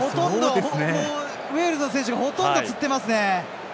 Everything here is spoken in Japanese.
ウェールズの選手がほとんど、つってますね。